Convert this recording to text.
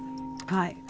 はい。